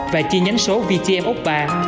và chi nhánh số vtm oppa